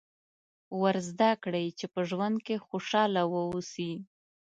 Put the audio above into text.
ور زده کړئ چې په ژوند کې خوشاله واوسي.